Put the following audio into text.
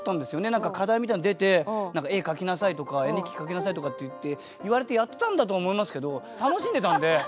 何か課題みたいなの出て何か絵描きなさいとか絵日記描きなさいとかっていって言われてやったんだとは思いますけど。